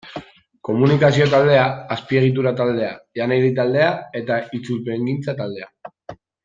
Komunikazio taldea, Azpiegitura taldea, Janari taldea eta Itzulpengintza taldea.